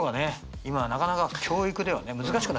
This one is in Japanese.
今はなかなか教育ではね難しくなってるねこれ。